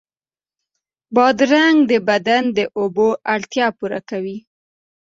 بادرنګ د بدن د اوبو اړتیا پوره کوي.